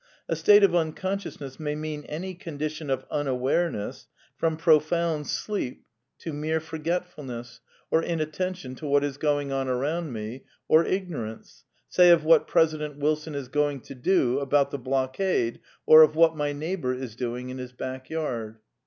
A state of unconsciousness may mean any condition of unawareness, from profound sleep 12 A DEFENCE OF IDEALISM to mere forgetfulness, or inattention to what is going on around me, or ignorance — say of what President WUson is going to do about the Blockade, or of what my neighbour is doing in his back garden.